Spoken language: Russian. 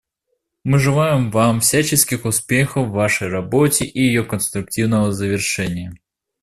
Мы желаем Вам всяческих успехов в Вашей работе и ее конструктивного завершения.